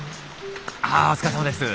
あお疲れさまです。